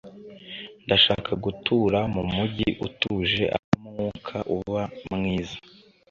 ndashaka gutura mumujyi utuje aho umwuka uba mwiza